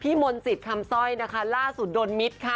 พี่มนต์จิตคำซ่อยล่าสุดโดนมิด